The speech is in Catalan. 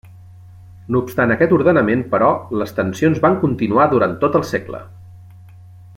No obstant aquest ordenament però, les tensions van continuar durant tot el segle.